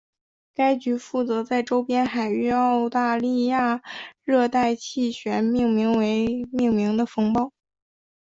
该局负责在周边海域澳大利亚热带气旋命名的风暴。